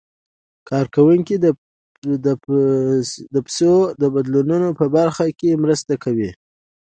کارکوونکي د پيسو د بدلولو په برخه کې مرسته کوي.